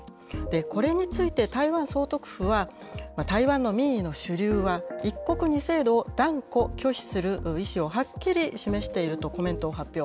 これについて台湾総督府は、台湾の民意の主流は、一国二制度を断固拒否する意思をはっきり示しているとコメントを発表。